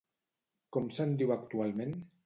Com se'n diu actualment?